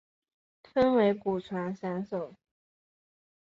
分为古传散手。